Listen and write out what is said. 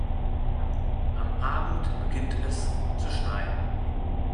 Am Abend beginnt es zu schneien.